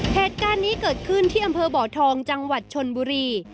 เหตุการณ์นี้เกิดขึ้นที่อำเภอบ่อทองจังหวัดชนบุรี